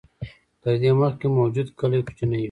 تر دې مخکې موجود کلي کوچني و.